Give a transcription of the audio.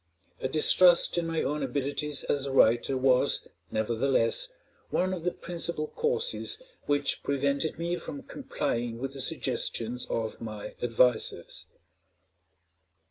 A distrust in my own abilities as a writer was, nevertheless, one of the principal causes which prevented me from complying with the suggestions of my advisers.